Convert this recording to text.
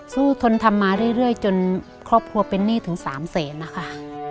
ทนทำมาเรื่อยจนครอบครัวเป็นหนี้ถึง๓แสนนะคะ